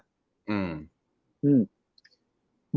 อืม